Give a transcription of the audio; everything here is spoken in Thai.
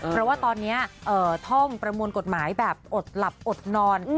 เพราะว่าตอนนี้ท่องประมวลกฎหมายแบบอดหลับอดนอน